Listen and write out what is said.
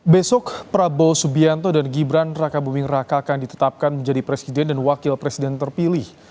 besok prabowo subianto dan gibran raka buming raka akan ditetapkan menjadi presiden dan wakil presiden terpilih